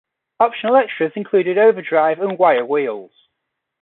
Optional extras included overdrive and wire wheels.